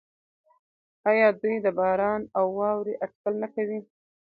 آیا دوی د باران او واورې اټکل نه کوي؟